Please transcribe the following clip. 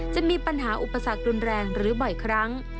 จะมีปัญหาอุปสรรครุนแรงหรือบ่อยครั้ง